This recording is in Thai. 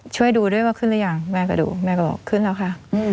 ช่วยดูด้วยว่าขึ้นหรือยังแม่ก็ดูแม่ก็บอกขึ้นแล้วค่ะ